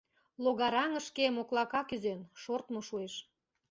Логараҥышке моклака кӱзен, шортмыжо шуэш.